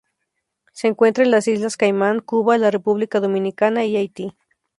Se encuentra en las Islas Caimán, Cuba, la República Dominicana y Haití.